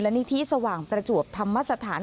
นิธิสว่างประจวบธรรมสถาน